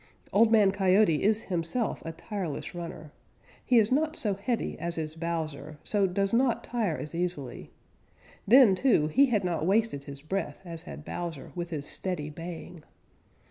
Old Man Coyote is himself a tireless runner. He is not so heavy as is Bowser, so does not tire as easily. Then, too, he had not wasted his breath as had Bowser with his steady baying.